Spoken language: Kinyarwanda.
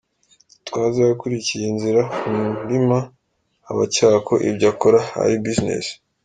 Gitwaza yakuriye inzira ku murima abakeka ko ibyo akora ari “business”.